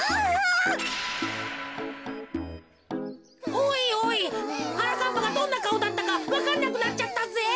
おいおいはなかっぱがどんなかおだったかわかんなくなっちゃったぜ。